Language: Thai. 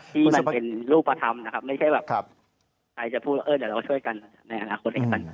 ที่มันเป็นรูปธรรมนะครับไม่ใช่แบบใครจะพูดว่าเออเดี๋ยวเราช่วยกันในอนาคตด้วยกัน